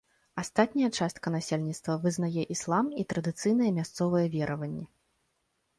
Астатняя частка насельніцтва вызнае іслам і традыцыйныя мясцовыя вераванні.